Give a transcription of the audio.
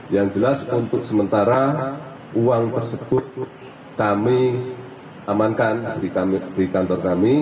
yang jelas untuk sementara uang tersebut kami amankan di kantor kami